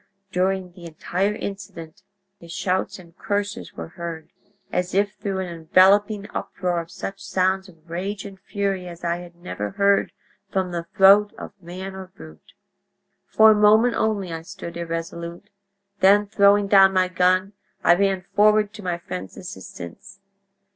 During the entire incident his shouts and curses were heard, as if through an enveloping uproar of such sounds of rage and fury as I had never heard from the throat of man or brute! "For a moment only I stood irresolute, then, throwing down my gun, I ran forward to my friend's assistance.